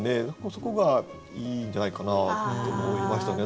そこがいいんじゃないかなと思いましたね